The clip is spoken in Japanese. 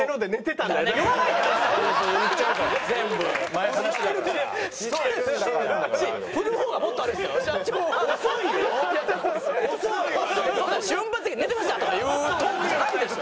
そんな瞬発的に「寝てました！」とかいうトークじゃないでしょ。